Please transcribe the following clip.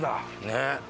ねっ！